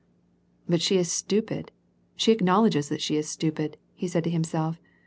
" But she is stupid ; she acknowledges that she is stupid," he said to himself.